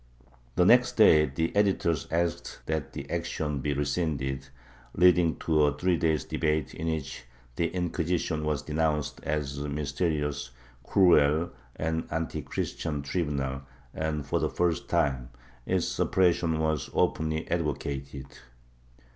The next day the editors asked that the action be rescinded, leading to a three days' debate in which the Inquisition was denounced as a mysterious, cruel and antichristian tribunal and, for the first time, its sup pression was openly advocated.